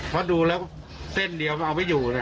เพราะดูแล้วเส้นเดียวมันเอาไม่อยู่